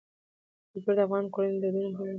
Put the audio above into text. کلتور د افغان کورنیو د دودونو مهم عنصر دی.